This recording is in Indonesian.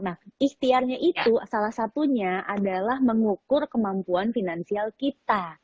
nah ikhtiarnya itu salah satunya adalah mengukur kemampuan finansial kita